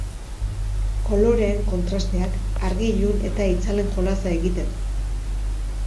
Koloreen kontrasteak, argi ilun eta itzalen jolasa egiten du.